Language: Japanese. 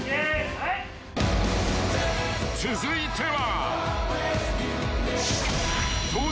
［続いては］